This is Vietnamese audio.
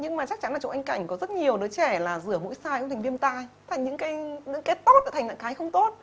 nhưng mà chắc chắn là chỗ anh cảnh có rất nhiều đứa trẻ là rửa mũi sai cũng thành viêm tai thành những cái tốt đã thành những cái không tốt